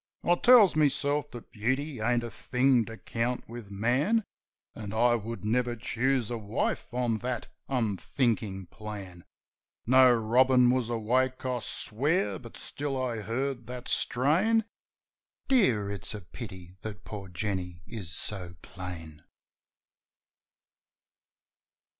I tells meself that beauty ain't a thing to count with man. An' I would never choose a wife on that unthinkin' plan. No robin was awake, I swear; but still I heard that strain: "Dear, it's a pity that poor Jenny is so plain."